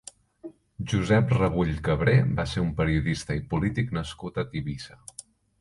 Josep Rebull Cabré va ser un periodista i polític nascut a Tivissa.